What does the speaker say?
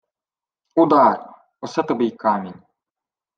— Удар! Осе тобі й камінь.